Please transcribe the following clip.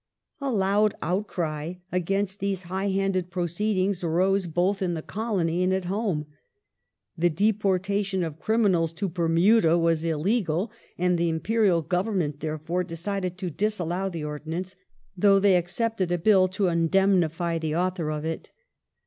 A loud outcry against these high handed proceedings arose both in the Colony and at home. The deporta tion of criminals to Bermuda was illegal, and the Imperial Govern ment, therefore, decided to disallow the Ordinance, though they accepted a Bill to indemnify the author of it.